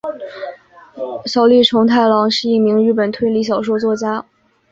小栗虫太郎是一名日本推理小说作家。